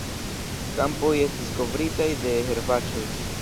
Kampoj estis kovritaj de herbaĉoj.